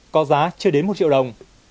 có giá chưa đến một triệu đồng